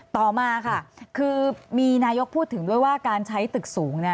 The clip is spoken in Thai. ต่อมาค่ะคือมีนายกพูดถึงด้วยว่าการใช้ตึกสูง